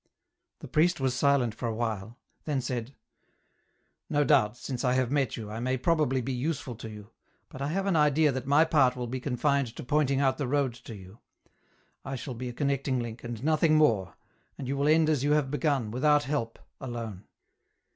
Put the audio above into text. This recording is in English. The priest was silent for a while ; then said, " No oubt. since I have met you, I may probably be 64 EN ROUTE. useful to you, but I have an idea that my part will be confined to pointing out the road to you ; I shall be a connecting link, and nothing more, you will end as you have begun, without help, alone."